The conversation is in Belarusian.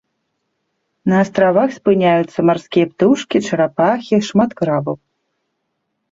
На астравах спыняюцца марскія птушкі, чарапахі, шмат крабаў.